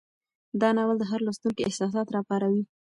دا ناول د هر لوستونکي احساسات راپاروي.